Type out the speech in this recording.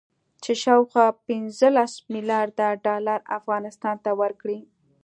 چې شاوخوا پنځلس مليارده ډالر افغانستان ته ورکړي